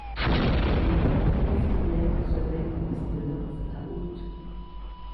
Les pères conciliaires se réunissent de mars à août.